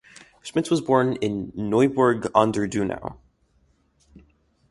Schmitz was born in Neuburg an der Donau.